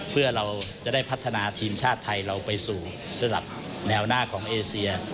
เพื่อเราจะได้พัฒนาทีมชาติไทยเราไปสู่ระดับแนวหน้าของเอเซีย